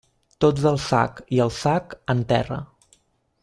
Tots al sac, i el sac, en terra.